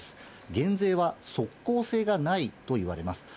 減税は即効性がないといわれます。